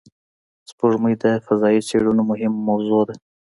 سپوږمۍ د فضایي څېړنو مهمه موضوع ده